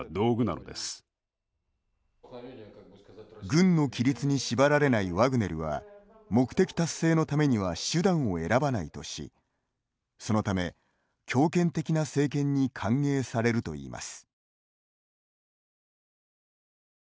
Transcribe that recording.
軍の規律に縛られないワグネルは、目的達成のためには手段を選ばないとしそのため、強権的な政権に歓迎されるといいます。